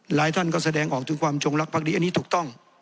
หลายท่านก็แสดงออกถึงความจงรักภักดีอันนี้ถูกต้อง